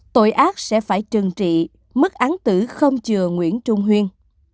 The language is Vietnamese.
tội ác sẽ phải trừng trị mức án tử không chừa nguyễn trung huyên